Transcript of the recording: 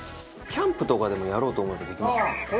キャンプとかでもやろうと思えばできますよね？